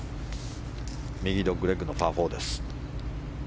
右ドッグレッグのパー４です。